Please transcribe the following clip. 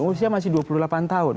usia masih dua puluh delapan tahun